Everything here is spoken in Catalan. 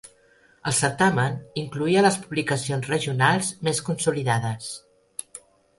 El certamen incloïa les publicacions regionals més consolidades.